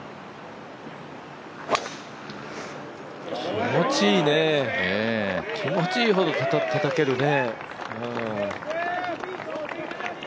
気持ちいいね気持ちいいほどたたけるね。